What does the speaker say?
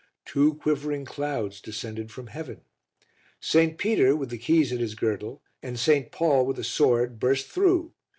Two quivering clouds descended from heaven; St. Peter, with the keys at his girdle, and St. Paul, with a sword, burst through.